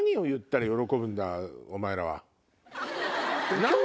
お前らは。